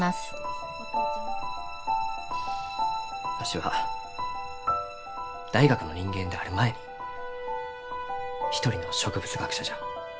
わしは大学の人間である前に一人の植物学者じゃ。